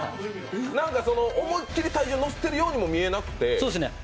思いっきり体重を乗せているようにも見えなくて。